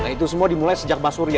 nah itu semua dimulai sejak mbak surya